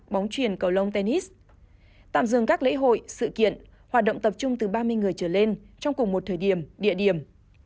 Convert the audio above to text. bóng truyền cầu long tennis tạm dừng các lễ hội sự kiện hoạt động tập trung từ ba mươi người trở lên trong cùng một thời điểm địa điểm